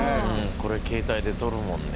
これ携帯で撮るもんね。